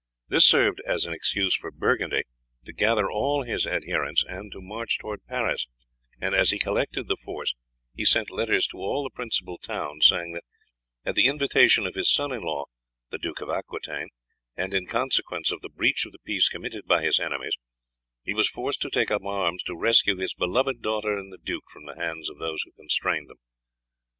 This served as an excuse for Burgundy to gather all his adherents and to march towards Paris, and as he collected the force he sent letters to all the principal towns saying that at the invitation of his son in law, the Duke of Aquitaine, and in consequence of the breach of the peace committed by his enemies, he was forced to take up arms to rescue his beloved daughter and the duke from the hands of those who constrained them.